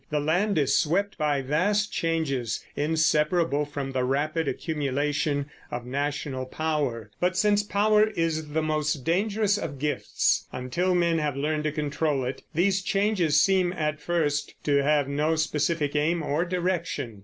The land is swept by vast changes, inseparable from the rapid accumulation of national power; but since power is the most dangerous of gifts until men have learned to control it, these changes seem at first to have no specific aim or direction.